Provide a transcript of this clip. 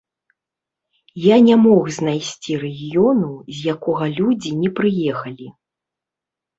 Я не мог знайсці рэгіёну, з якога людзі не прыехалі.